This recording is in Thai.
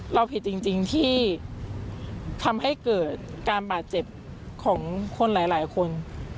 เราผิดจริงที่ทำให้เกิดการบาดเจ็บของคนหลายคน